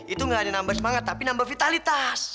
itu gak ada nambah semangat tapi nambah vitalitas